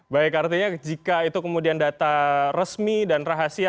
baik artinya jika itu kemudian data resmi dan rahasia